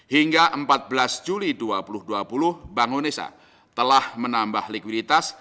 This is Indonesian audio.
hingga empat belas juli dua ribu dua puluh bank indonesia telah menambah likuiditas